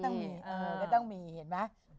ก็ต้องมีเห็นไหม